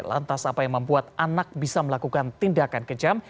lantas apa yang membuat anak bisa melakukan tindakan kejam